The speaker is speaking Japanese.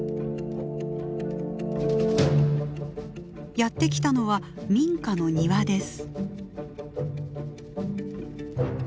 やって来たのは民家の庭です。